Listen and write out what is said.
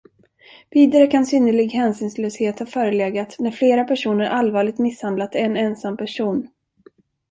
Vidare kan synnerlig hänsynslöshet ha förelegat när flera personer allvarligt misshandlat en ensam person.